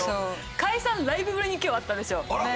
解散ライブぶりに今日会ったんですよ。